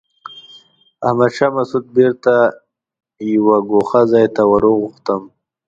احمد شاه مسعود بېرته یوه ګوښه ځای ته ور وغوښتم.